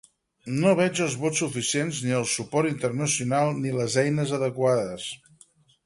No veig els vots suficients, ni el suport internacional, ni les eines adequades.